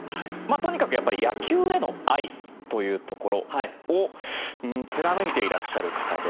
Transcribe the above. とにかくやっぱり野球への愛というところを貫いていらっしゃる方で。